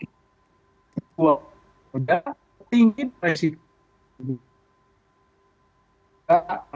itu sudah tinggi prinsip